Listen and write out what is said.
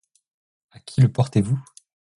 À qui le portez-vous?